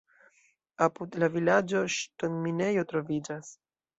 Apud la vilaĝo ŝtonminejo troviĝas.